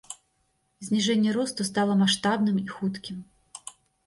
Зніжэнне росту стала маштабным і хуткім.